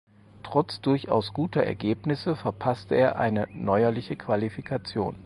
Trotz durchaus guter Ergebnisse verpasste er eine neuerliche Qualifikation.